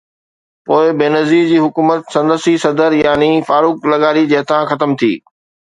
پوءِ بينظير جي حڪومت سندس ئي صدر يعني فاروق لغاري جي هٿان ختم ٿي.